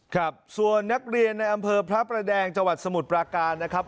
ครับส่วนนักเรียนในอำเภอพระประแดงจังหวัดสมุทรปราการนะครับ